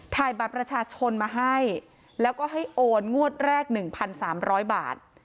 บัตรประชาชนมาให้แล้วก็ให้โอนงวดแรก๑๓๐๐บาท